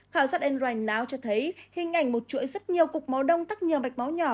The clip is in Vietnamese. khảo sát nroi não cho thấy hình ảnh một chuỗi rất nhiều cục máu đông tắc nhờ bạch máu nhỏ